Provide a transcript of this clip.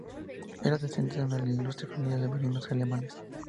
Era descendiente de una ilustre familia de marinos alemanes.